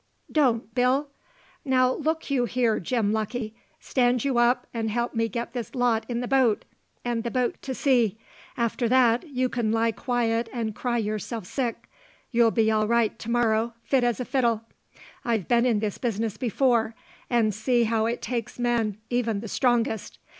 "Don't, Bill!" "Now, look you here, Jim Lucky! Stand you up, and help me get this lot in the boat, and the boat to sea. After that you can lie quiet and cry yourself sick. ... You'll be all right to morrow, fit as a fiddle. I've been in this business before, and seen how it takes men, even the strongest.